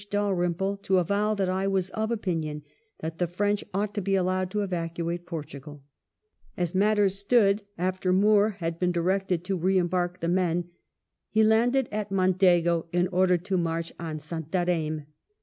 Dalrymple to avow that I was of opinion that the French ought to be allowed to evacuate Portugal," as matters stood after Moore had been directed to re embark the men he landed at Mondego in order to march on Santarem.